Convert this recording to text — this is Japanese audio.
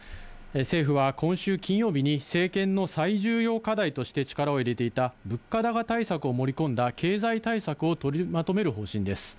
政府は、今週金曜日に政権の最重要課題として力を入れていた物価高対策を盛り込んだ経済対策を取りまとめる方針です。